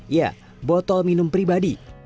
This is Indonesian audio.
ya botol minum pribadi